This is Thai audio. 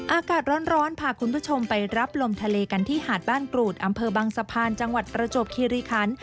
อากาศร้อนพาคุณผู้ชมไปรับลมทะเลกันที่หาดบ้านกรูดอำเภอบังสะพานจังหวัดประจวบคิริคัน